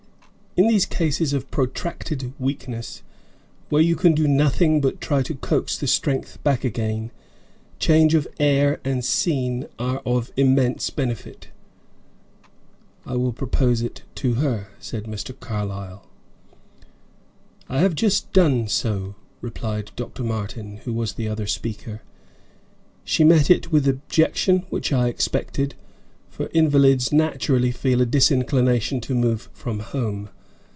In these cases of protracted weakness, where you can do nothing but try to coax the strength back again, change of air and scene are of immense benefit." "I will propose it to her," said Mr. Carlyle. "I have just done so," replied Dr. Martin, who was the other speaker. "She met it with objection, which I expected, for invalids naturally feel a disinclination to move from home.